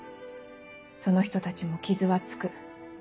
その人たちも傷はつく。